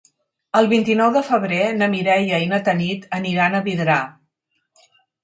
El vint-i-nou de febrer na Mireia i na Tanit aniran a Vidrà.